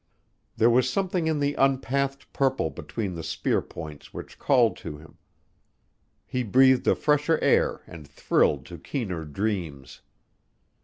There was something in the unpathed purple between the spear points which called to him. He breathed a fresher air and thrilled to keener dreams.